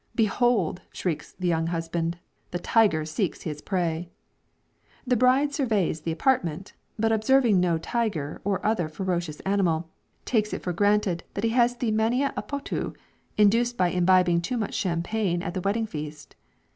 "Behold," shrieks the young husband, "the tiger seeks his prey." The bride surveys the apartment, but observing no tiger or other ferocious animal, takes it for granted that he has the mania à potu, induced by imbibing too much champagne at the wedding feast.